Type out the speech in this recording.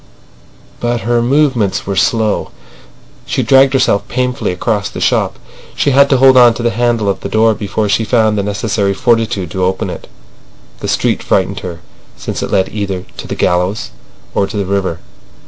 ... But her movements were slow. She dragged herself painfully across the shop, and had to hold on to the handle of the door before she found the necessary fortitude to open it. The street frightened her, since it led either to the gallows or to the river.